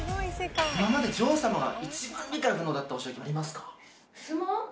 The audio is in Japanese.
今まで女王様が一番理解不能だったお仕置きありますか？